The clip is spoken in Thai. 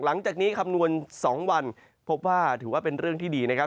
หลังจากนี้คำนวณ๒วันพบว่าถือว่าเป็นเรื่องที่ดีนะครับ